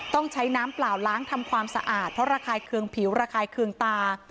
ต้องใช้น้ำเปล่าล้างทำความสะอาดเพราะระคายเคืองผิวระคายเคืองตา